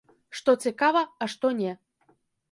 Што цікава, а што не.